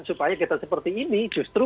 supaya kita seperti ini justru